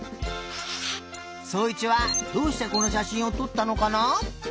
そういちはどうしてこのしゃしんをとったのかな？